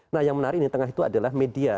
nah yang menarik di tengah itu adalah media